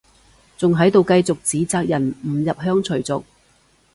仲喺度繼續指責人唔入鄉隨俗